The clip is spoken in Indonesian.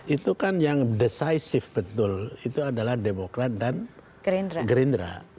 itu kan yang decisive betul itu adalah demokrat dan gerindra